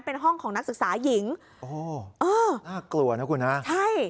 เป็นห้องของนักศึกษาหญิงโอ้โหเออน่ากลัวนะคุณฮะใช่